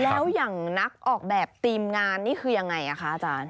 แล้วอย่างนักออกแบบทีมงานนี่คือยังไงคะอาจารย์